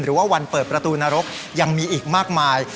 วันเปิดประตูนรกยังมีอีกมากมาย